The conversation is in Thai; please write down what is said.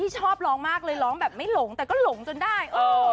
ชอบร้องมากเลยร้องแบบไม่หลงแต่ก็หลงจนได้